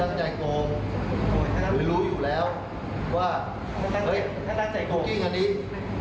ยังไงก็ออกถ้าออกหรือว่าถ้ามันไม่เป็นจริงอะไรก็เกือบได้ออก